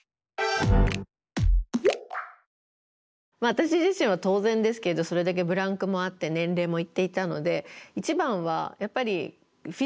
私自身は当然ですけどそれだけブランクもあって年齢もいっていたので一番はやっぱりフィジカルの心配ですね。